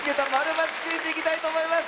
○×クイズ」いきたいとおもいます！